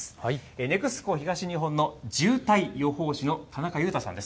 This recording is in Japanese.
ＮＥＸＣＯ東日本の渋滞予報士の田中優太さんです。